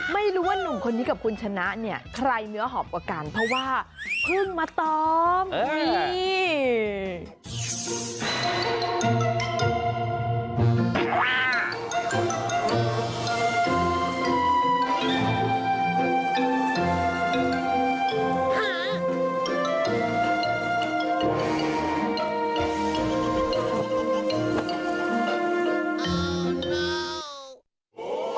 ไม่รู้ว่านุ่มคนนี้กับคุณชนะเนี่ยใครเนื้อหอมกว่ากันเพราะว่าเพิ่งมาตอมนี่